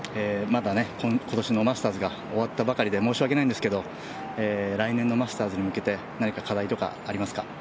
まだ今年のマスターズが終わったばかりで申し訳ないんですが来年のマスターズに向けて何か課題とかありますか？